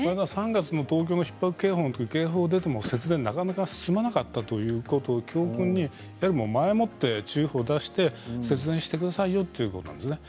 ３月の東京のひっ迫警報のときは警報が出ても節電が進まなかったということを教訓に前もって注意報を出して節電してくださいよということなんですね。